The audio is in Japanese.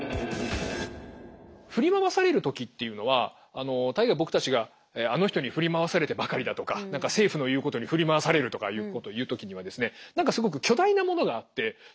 振り回される時っていうのは大概僕たちがあの人に振り回されてばかりだとか何か政府の言うことに振り回されるとかいうことを言う時にはですね